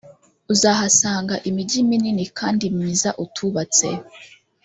uzahasanga imigi minini kandi myiza utubatse,